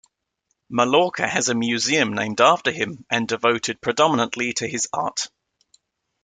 Mallorca has a museum named after him and devoted predominantly to his art.